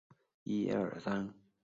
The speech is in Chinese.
曾参加云南护国起义。